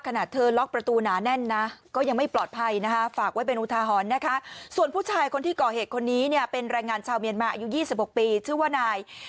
ขนาดเธอล็อกประตูหนาแน่นนะก็ยังไม่ปลอดภัยนะคะ